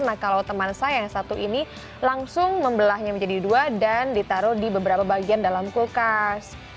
nah kalau teman saya yang satu ini langsung membelahnya menjadi dua dan ditaruh di beberapa bagian dalam kulkas